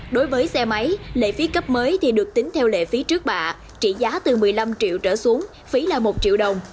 đối với xe máy lệ phí cấp mới thì được tính theo lệ phí trước bạ trị giá từ một mươi năm triệu trở xuống phí là một triệu đồng